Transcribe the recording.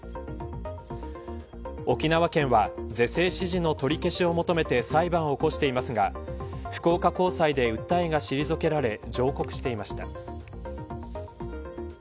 沖縄県は是正指示の取り消しを求めて裁判を起こしていますが福岡高裁で訴えが退けられ上告していました。